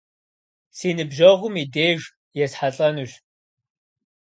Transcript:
Си ныбжьэгъум и деж есхьэлӀэнущ.